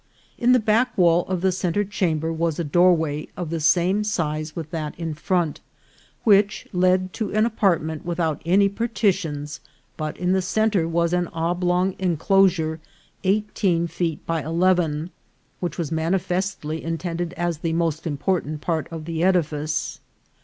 In the back wall of the centre chamber was a door way of the same size with that in front, which led to an apartment without any partitions, but in the centre waa an oblong enclosure eighteen feet by eleven, which was manifestly intended as the most important part of the edifice.